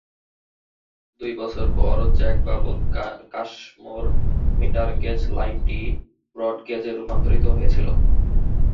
দুই বছর পরে, জ্যাকবাবাদ-কাশমোর মিটার-গেজ লাইনটি ব্রডগেজে রূপান্তরিত হয়েছিল।